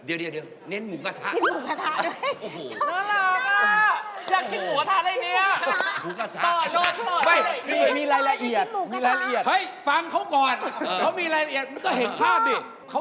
เดี๋ยวเน้นหมูกระทะ